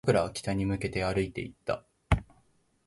僕らは北に向けて歩いていった